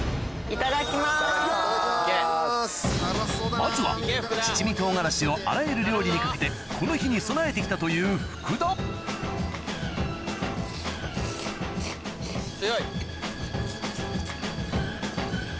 まずは七味唐辛子をあらゆる料理にかけてこの日に備えて来たという強い！